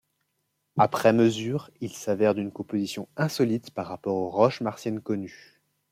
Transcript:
Après mesures, il s'avère d'une composition insolite par rapports aux roches martiennes connues.